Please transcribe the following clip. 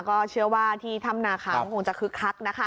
ก็เชื่อว่าที่ถ้ำนาคามคงจะคึกคักนะคะ